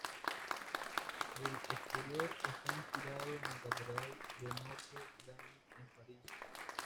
El exterior está inspirado en la Catedral de Notre Dame en París.